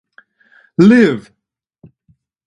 Live.